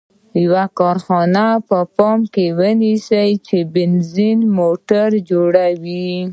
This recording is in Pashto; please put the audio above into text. یوه کارخانه په پام کې ونیسئ چې بینز موټرونه جوړوي.